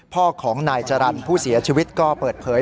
พ่อของนายจรรย์ผู้เสียชีวิตก็เปิดเผย